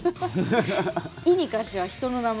「い」に関しては人の名前。